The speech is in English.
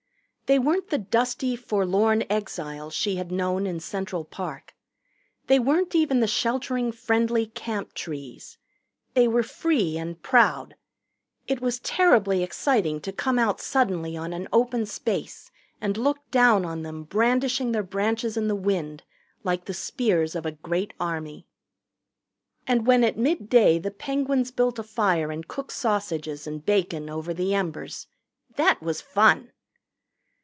They weren't the dusty, forlorn exiles she had known in Central Park. They weren't even the sheltering, friendly Camp trees. They were free and proud. It was terribly exciting to come out suddenly on an open space and look down on them brandishing their branches in the wind like the spears of a great army. And when at midday the Penguins built a fire and cooked sausages and bacon over the embers, that was fun.